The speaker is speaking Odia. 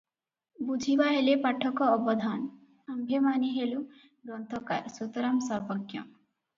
ବୁଝିବା ହେଲେ ପାଠକ ଅବଧାନ! ଆମ୍ଭେମାନେ ହେଲୁ ଗ୍ରନ୍ଥକାର, ସୁତରାଂ ସର୍ବଜ୍ଞ ।